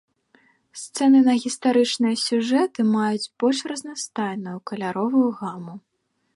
Сцэны на гістарычныя сюжэты маюць больш разнастайную каляровую гаму.